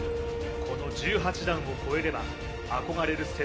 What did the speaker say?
この１８段を越えれば憧れる